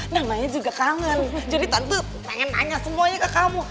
nah nanya juga kangen jadi tante pengen nanya semuanya ke kamu